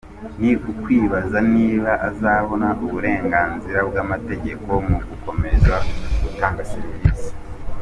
Ni ukwibaza niba azabona uburenganzira bw’amategeko mu gukomeza gutanga serivisi.